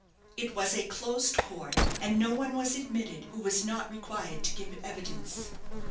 It was a closed court, and no one was admitted who was not required to give evidence.